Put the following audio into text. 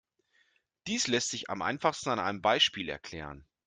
Dies lässt sich am einfachsten an einem Beispiel erklären.